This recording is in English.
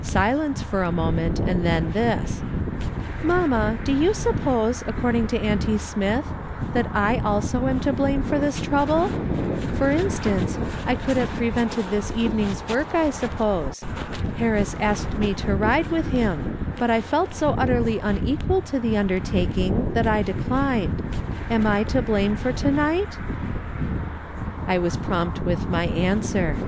Silence for a moment, and then this :" Mamma, do you suppose, according to auntie Smith, that I also am to blame for this trouble ? Tor instance, I could have pre vented this evening's work, I suppose. Harris asked me to ride with him, but I felt so utterly unequal to the undertaking that I declined. Am I to blame for to night ?" I was prompt with my answer.